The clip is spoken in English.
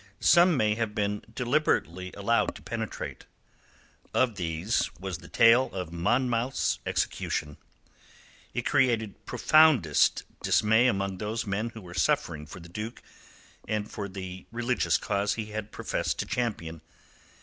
Some may have been deliberately allowed to penetrate. Of these was the tale of Monmouth's execution. It created profoundest dismay amongst those men who were suffering for the Duke and for the religious cause he had professed to champion.